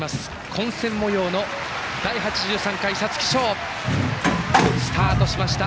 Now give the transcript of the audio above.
混戦もようの第８３回皐月賞スタートしました。